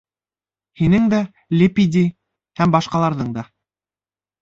Һинең дә, Лепидий, һәм башҡаларҙың да.